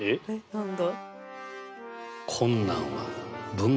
何だ？